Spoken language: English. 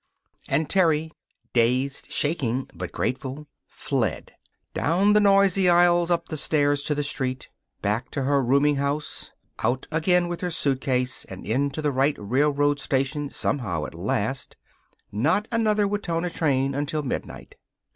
And Terry dazed, shaking, but grateful fled. Down the noisy aisle, up the stairs, to the street. Back to her rooming house. Out again, with her suitcase, and into the right railroad station somehow, at last. Not another Wetona train until midnight.